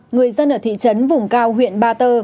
người dân ở thị trấn vùng cao huyện ba tơ